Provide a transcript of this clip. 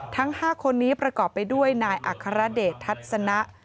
ทั้ง๕คนนี้ประกอบไปด้วยนายอัครเดชทัศนะ